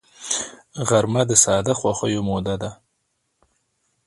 غرمه د ساده خوښیو موده ده